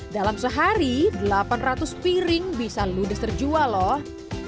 dalam sehari delapan ratus piring bisa ludes terjual loh